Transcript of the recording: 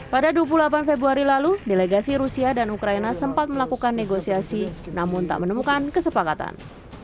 pada dua puluh delapan februari lalu delegasi rusia dan ukraina sempat melakukan negosiasi namun tak menemukan kesepakatan